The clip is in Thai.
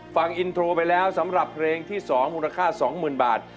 ฟังอินโทรไปแล้วสำหรับเพลงที่๒มูลค่า๒๐๐๐บาท